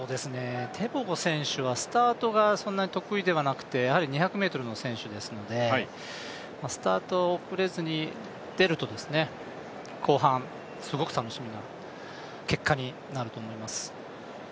テボゴ選手はスタートがそんな得意ではなくて、やはり２００ｍの選手ですのでスタート遅れずに出ると後半すごく楽しみな結果になると思います。